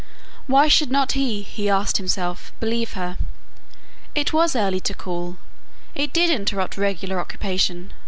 Why should not he, he asked himself, believe her? It was early to call; it did interrupt regular occupation.